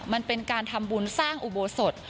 มันเป็นการทำบุญสร้างอุโบสถ